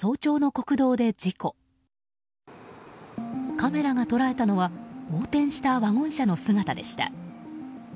カメラが捉えたのは横転したワゴン車の姿でした。